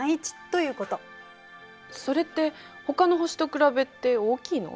それってほかの星と比べて大きいの？